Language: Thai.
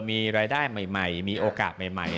มีรายได้ใหม่มีโอกาสใหม่